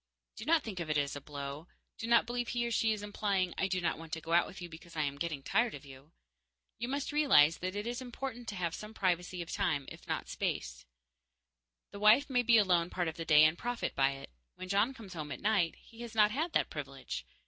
Do not think of it as a blow; do not believe he or she is implying "I do not want to go out with you because I am getting tired of you." You must realize that it is important to have some privacy of time, if not of space. The wife may be alone part of the day and profit by it. When John comes home at night, he has not had that privilege.